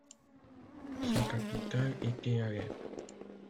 Sa capitale était Alep.